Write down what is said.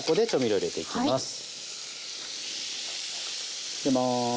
入れます。